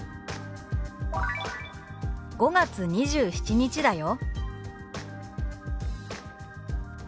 「５月２７日だよ」。